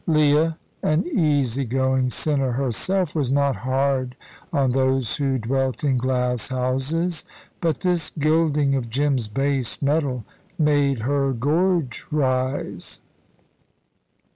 Leah, an easy going sinner herself, was not hard on those who dwelt in glass houses. But this gilding of Jim's base metal made her gorge rise.